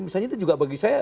misalnya itu juga bagi saya